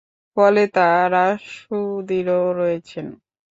ফলে তারা সুদৃঢ় রয়েছেন।